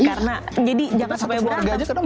karena jadi jangan sampai berantem